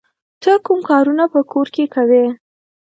ته کوم کارونه په کور کې کوې؟